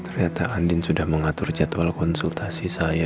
ternyata andin sudah mengatur jadwal konsultasi saya